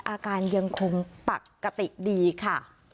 อาการยังคงปกติดีค่ะ